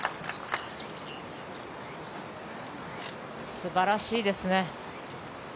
素晴らしいですね。